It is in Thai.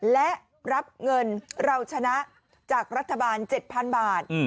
และรับเงินเราชนะจากรัฐบาล๗๐๐๐บาท